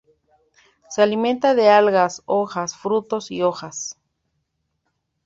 Se alimenta de algas, hojas, frutos y hojas.